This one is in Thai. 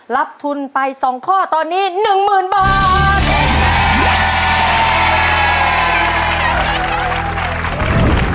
รับทุนไป๒ข้อตอนนี้๑๐๐๐บาท